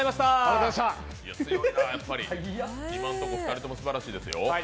強いなやっぱり、今のところ２人ともすばらしいですよ。